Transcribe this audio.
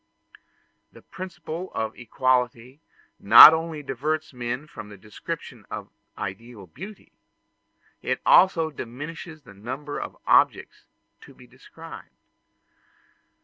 The principle of equality not only diverts men from the description of ideal beauty it also diminishes the number of objects to be described.